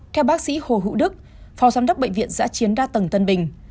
theo bác sĩ hồ hữu đức phó giám đốc bệnh viện giã chiến đa tầng tân bình